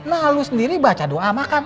nah lo sendiri baca doa makan